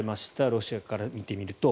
ロシアから見てみると。